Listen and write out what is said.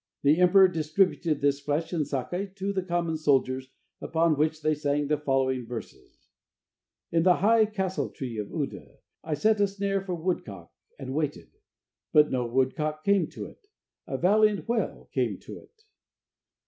The emperor distributed this flesh and sake to the common soldiers, upon which they sang the following verses: "In the high {castle tree} of Uda I set a snare for woodcock, And waited, But no woodcock came to it; A valiant whale came to it."